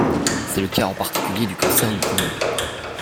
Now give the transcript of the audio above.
C'est le cas en particulier du cancer du poumon.